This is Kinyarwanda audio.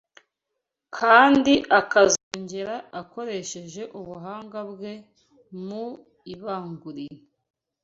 kandi akazongera akoresheje ubuhanga bwe mu ibangurira